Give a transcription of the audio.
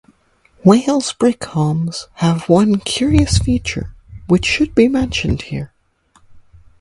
Wales brick homes have one curious feature which should be mentioned here.